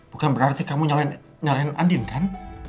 bukan berarti kamu nyariin andin kan